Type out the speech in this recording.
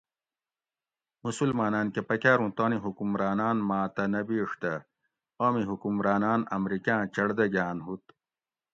مسلمانان کہ پکاروں تانی حکمرانان ماۤ تہ نہ بِیڛ دہ اومی حکمراناۤن امریکۤاں چڑ دہ گاۤن ہوت